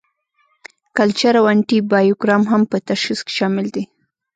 کلچر او انټي بایوګرام هم په تشخیص کې شامل دي.